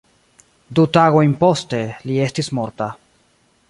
Du tagojn poste, li estis morta.